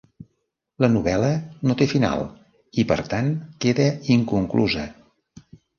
La novel·la no té final i, per tant, queda inconclusa.